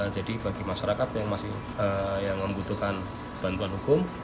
jadi bagi masyarakat yang membutuhkan bantuan hukum